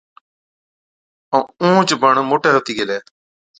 ائُون اُونهچ بڻ موٽَي هُتِي گيلَي۔